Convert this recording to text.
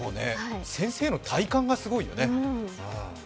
先生の体幹がすごいよね。